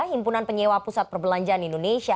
himpunan penyewa pusat perbelanjaan indonesia